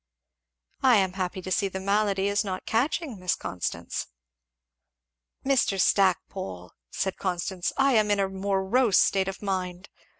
"I am happy to see that the malady is not catching, Miss Constance." "Mr. Stackpole!" said Constance, "I am in a morose state of mind!